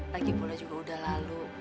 lagi pula juga udah lalu